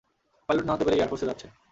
Pilot না হতে পেরে এয়ারফোর্স এ যাচ্ছে।